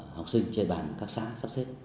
học sinh trên bàn các xã sắp xếp